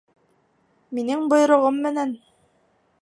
Минең бойороғом менән